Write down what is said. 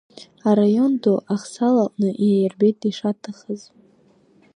Араион ду ахсаалаҟны иаирбеит ишаҭахыз.